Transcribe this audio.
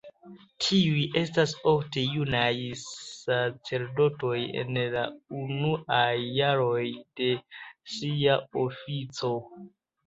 Tiuj estas ofte junaj sacerdotoj en la unuaj jaroj de sia ofico.